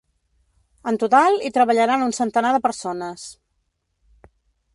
En total hi treballaran un centenar de persones.